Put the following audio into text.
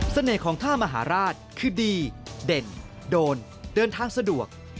ของท่ามหาราชคือดีเด่นโดนเดินทางสะดวก